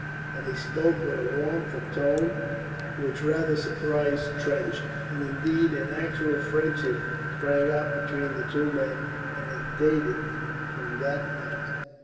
And he spoke with a warmth of tone which rather surprised Trench. And indeed an actual friendship sprang up between the two men, and it dated from that night.